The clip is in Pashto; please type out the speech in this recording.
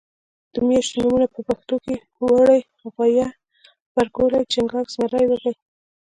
د میاشتو نومونه په پښتو کې وری غویي غبرګولی چنګاښ زمری وږی